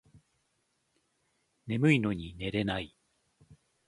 眠いのに寝れない